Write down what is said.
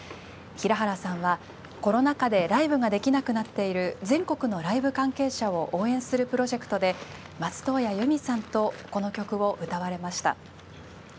平原さんは、コロナ禍でライブができなくなっている全国のライブ関係者を応援するプロジェクトで松任谷由実さんと、この曲を歌われました。